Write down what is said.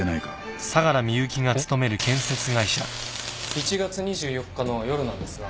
１月２４日の夜なんですが。